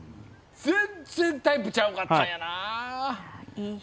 全然、タイプちゃうかったんやな。